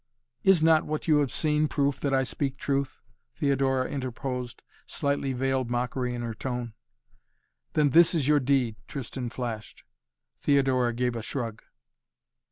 "Is not what you have seen, proof that I speak truth?" Theodora interposed, slightly veiled mockery in her tone. "Then this is your deed," Tristan flashed. Theodora gave a shrug.